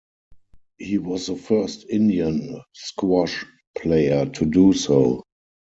He was the first Indian squash player to do so.